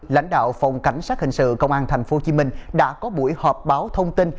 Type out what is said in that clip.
lãnh đạo phòng cảnh sát hình sự công an tp hcm đã có buổi họp báo thông tin